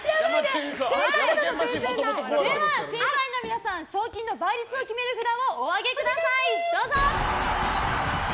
では審査員の皆さん賞金の倍率を決める札をお上げください、どうぞ！